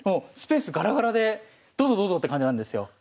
スペースがらがらでどうぞどうぞって感じなんですよ。